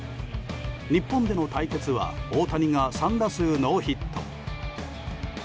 日本での対決は大谷が３打数ノーヒット。